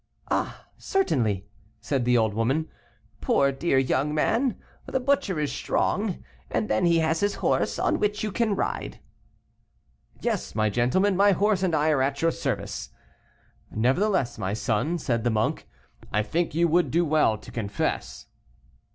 "Ah, certainly," said the old woman, "poor dear young man, the butcher is strong, and then he has his horse, on which you can ride." "Yes, my gentleman, my horse and I are at your service." "Nevertheless, my son," said the monk, "I think you would do well to confess."